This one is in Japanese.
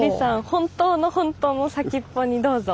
本当の本当の先っぽにどうぞ。